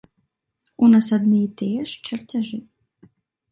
У нас адны і тыя ж чарцяжы.